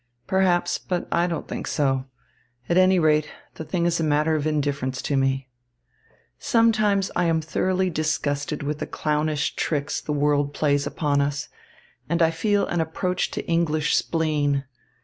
Perhaps, but I don't think so. At any rate, the thing is a matter of indifference to me. Sometimes I am thoroughly disgusted with the clownish tricks the world plays upon us, and I feel an approach to English spleen.